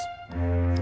gak usah diributin